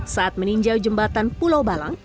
saat meninjau jembatan pulau balang